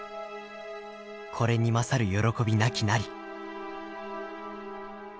これに勝る喜びなきなり」。